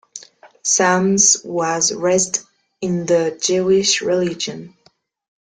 Samms was raised in the Jewish religion.